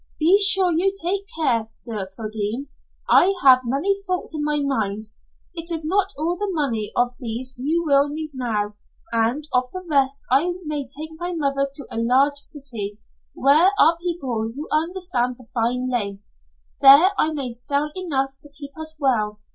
Be sure you take care, Sir Kildene. I have many thoughts in my mind. It is not all the money of these you will need now, and of the rest I may take my mother to a large city, where are people who understand the fine lace. There I may sell enough to keep us well.